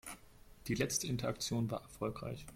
Die letzte Interaktion war erfolgreich.